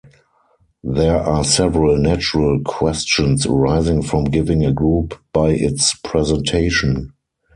There are several natural questions arising from giving a group by its presentation.